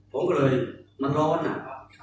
ผมก็เลยมารอนอ่าน